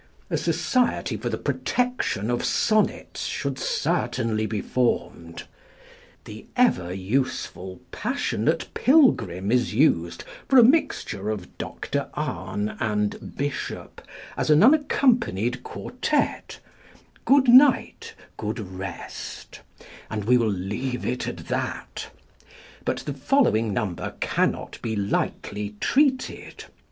A society for the protection of sonnets should certainly be formed. The ever useful Passionate Pilgrim is used for a mixture of Dr Arne and Bishop as an unaccompanied quartet, "Good night, good rest," and we will leave it at that; but the following number cannot be lightly treated.